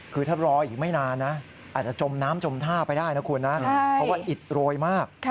คือถ้ารออีกไม่นานนะอาจจะจมน้ำจมท่าไปได้นะคุณนะเพราะว่าอิดโรยมาก